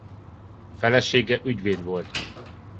Felesége ügyvéd volt.